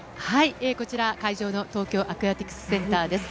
会場の東京アクアティクスセンターです。